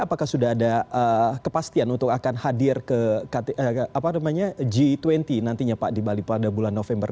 apakah sudah ada kepastian untuk akan hadir ke g dua puluh nantinya pak di bali pada bulan november